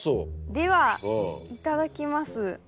ではいただきます。